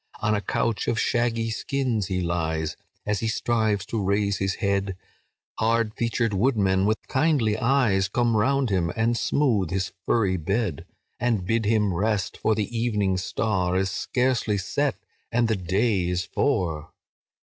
"On a couch of shaggy skins he lies; As he strives to raise his head, Hard featured woodmen, with kindly eyes Come round him and smooth his furry bed, And bid him rest, for the evening star Is scarcely set, and the day is for.